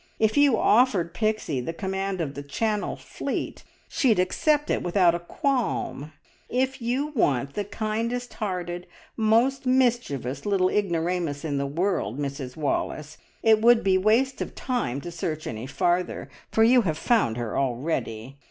If you offered Pixie the command of the Channel Fleet, she'd accept without a qualm! If you want the kindest hearted, most mischievous little ignoramus in the world, Mrs Wallace, it would be waste of time to search any farther, for you have found her already!